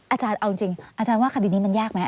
อาจารย์เอาจริงอาจารย์ว่าคดีนี้มันยากไหม